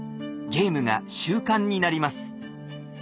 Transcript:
ゲームが習慣になります。